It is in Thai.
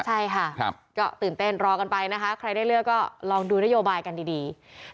ใช่ค่ะก็ตื่นเต้นรอกันไปนะคะใครได้เลือกก็ลองดูนโยบายกันดี